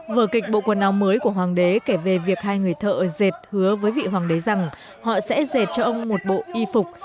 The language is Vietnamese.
vở kịch bộ quần áo mới của hoàng đế kể về việc hai người thợ dệt hứa với vị hoàng đế rằng họ sẽ dệt cho ông một bộ y phục